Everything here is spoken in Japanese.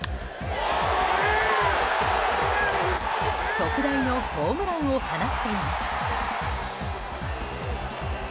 特大のホームランを放っています。